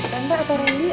dan pak atau rendy